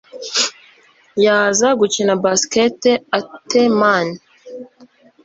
yaza gukina basket ate mn